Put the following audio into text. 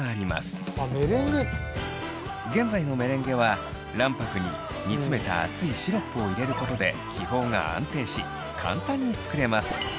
現在のメレンゲは卵白に煮詰めた熱いシロップを入れることで気泡が安定し簡単に作れます。